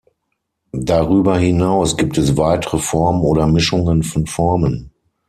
Darüber hinaus gibt es weitere Formen oder Mischungen von Formen.